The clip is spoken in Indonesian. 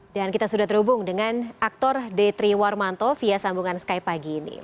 dan kita sudah terhubung dengan aktor detri warmanto via sambungan sky pagi ini